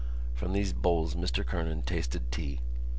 From these bowls Mr Kernan tasted tea.